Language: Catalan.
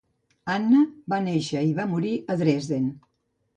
Anna va néixer i va morir a Dresden.